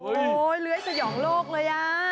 โอ้โหเลื้อยสยองโลกเลยอ่ะ